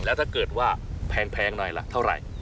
แล้วถ้าเกิดว่าแพงหน่อยละเท่าไหร่